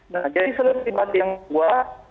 nah jadi sulit ibadah yang kedua